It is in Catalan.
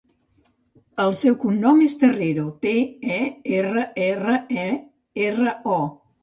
El seu cognom és Terrero: te, e, erra, erra, e, erra, o.